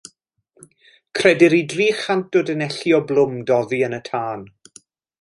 Credir i dri chant o dunelli o blwm doddi yn y tân.